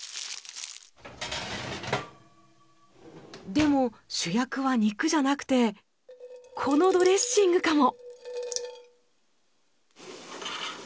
でも主役は肉じゃなくてこのドレッシングかも。